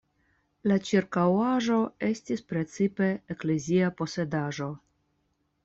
La ĉirkaŭaĵo estis precipe eklezia posedaĵo.